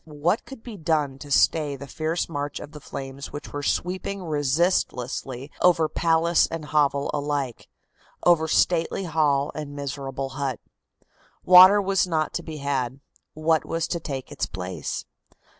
What could be done to stay the fierce march of the flames which were sweeping resistlessly over palace and hovel alike, over stately hall and miserable hut? Water was not to be had; what was to take its place?